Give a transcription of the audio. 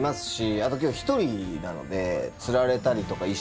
あと今日１人なので。